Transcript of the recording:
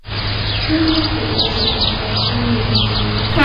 کور یې په وزیر اکبر خان مېنه کې و.